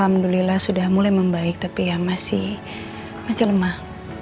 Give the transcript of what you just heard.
alhamdulillah sudah mulai membaik tapi ya masih lemah